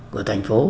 của thành phố